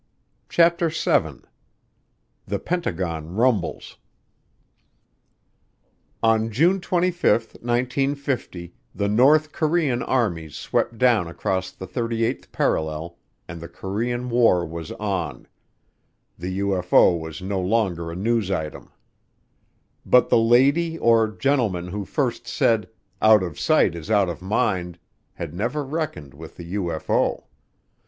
CHAPTER SEVEN The Pentagon Rumbles On June 25, 1950, the North Korean armies swept down across the 38th parallel and the Korean War was on the UFO was no longer a news item. But the lady, or gentleman, who first said, "Out of sight is out of mind," had never reckoned with the UFO.